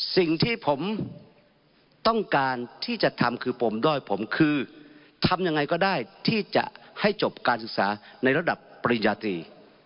สิ่งที่ผมต้องการที่จะทำคือปมด้อยผมคือทำยังไงก็ได้ที่จะให้จบการศึกษาในระดับปริญญาตรี